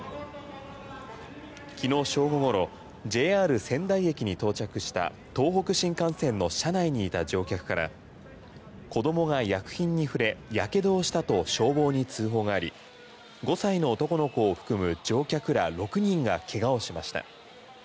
昨日正午ごろＪＲ仙台駅に到着した東北新幹線の車内にいた乗客から子どもが薬品に触れやけどをしたと消防に通報があり５歳の男の子を含む乗客ら６人がけがをしました。